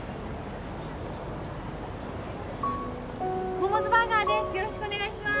モモズバーガーです